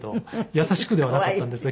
優しくではなかったんですね。